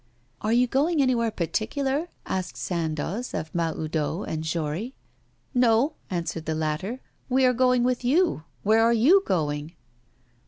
'Are you going anywhere particular?' asked Sandoz of Mahoudeau and Jory. 'No,' answered the latter, 'we are going with you. Where are you going?